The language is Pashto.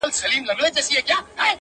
• نه ظالم به له مظلوم څخه بېلېږي -